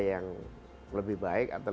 yang lebih baik atau